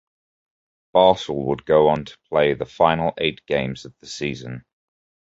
Bartel would go on to play the final eight games of the season.